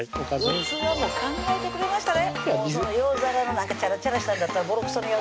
器も考えてくれましたね